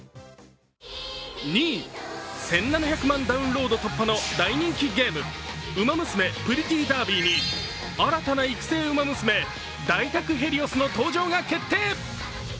２位、１７００万ダウンロード突破の大人気ゲーム、「ウマ娘プリティーダービー」に新たな育成ウマ娘、ダイタクヘリオスの登場が決定。